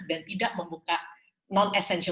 tentang katak tertentu